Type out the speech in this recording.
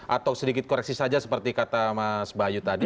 atau sedikit koreksi saja seperti kata mas bayu tadi